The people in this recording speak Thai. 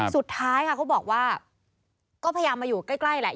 สุดท้ายค่ะเขาบอกว่าก็พยายามมาอยู่ใกล้แหละ